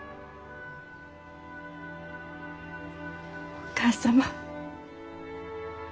お義母様。